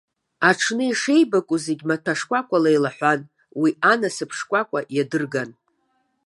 Аҽны шеибакәу зегьы маҭәа шкәакәала еилаҳәан, уи анасыԥ шкәакәа иадырган.